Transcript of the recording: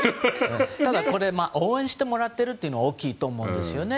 ただ、これは応援してもらっているのは大きいと思うんですよね。